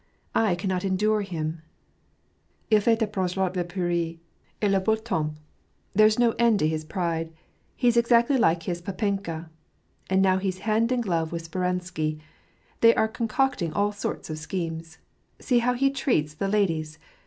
" I cannot endure him. R fait a present la pluie et le bean temps I ♦ There's no end to his pride. He's exactly like his papeuka. And now he's hand in glove with Speransky : thej are concocting all sorts of schemes. See how he treats the ladies!